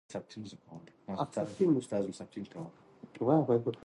ډاکټران وايي د فشار نښې باید وپیژندل شي.